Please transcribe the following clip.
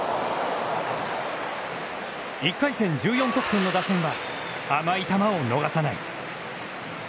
１回戦１４得点の打線は甘い球を逃さない。